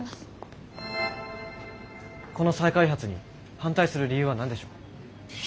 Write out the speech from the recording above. この再開発に反対する理由は何でしょう？